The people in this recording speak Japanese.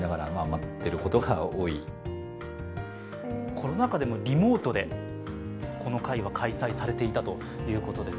コロナ禍でもリモートでこの会は開催されていたということです。